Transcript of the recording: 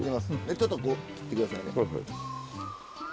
ちょっと切って下さいね。